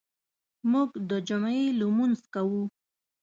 موږ د جمعې لمونځ کوو.